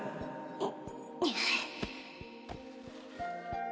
あっ。